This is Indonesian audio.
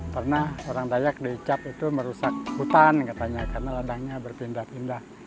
karena orang dayak di icap itu merusak hutan katanya karena ladangnya berpindah pindah